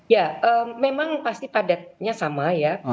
ya memang pasti padatnya sama ya